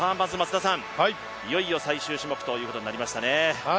いよいよ最終種目ということになりましたね。